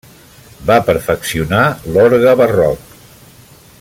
Va perfeccionar l'orgue barroc.